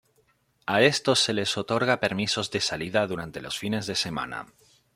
A estos se les otorga permisos de salida durante los fines de semana.